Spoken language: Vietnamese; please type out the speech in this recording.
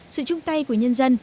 sự chung tay của nhân dân